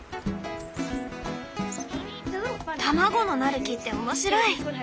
卵のなる木って面白い。